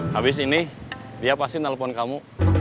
habis ini dia pasti nelfon kamu